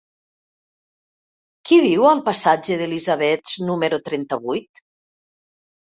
Qui viu al passatge d'Elisabets número trenta-vuit?